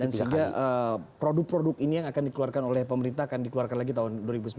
dan sehingga produk produk ini yang akan dikeluarkan oleh pemerintah akan dikeluarkan lagi tahun dua ribu sembilan belas